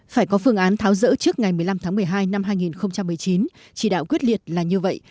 phải có phương án tháo rỡ trước ngày một mươi năm tháng một mươi hai năm hai nghìn một mươi chín chỉ đạo quyết liệt là như vậy